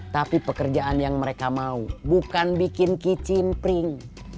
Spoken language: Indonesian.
tapi pekerjaan yang mereka mau bukan bikin kicim pring